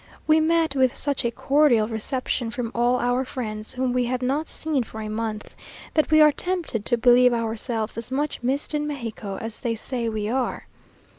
We met with such a cordial reception from all our friends, whom we have not seen for a month, that we are tempted to believe ourselves as much missed in Mexico as they say we are.